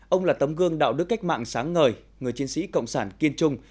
ông là tấm gương đạo đức cách mạng sáng ngời người chiến sĩ cộng sản kiên trung